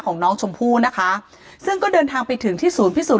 ของน้องชมพู่นะคะซึ่งก็เดินทางไปถึงที่ศูนย์พิสูจน